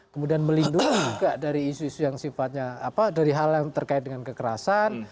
kemudian melindungi juga dari isu isu yang sifatnya apa dari hal yang terkait dengan kekerasan